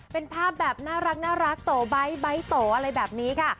เป็นภาพแบบน่ารักโตไบท์ไบท์โตอะไรแบบนี้ค่ะ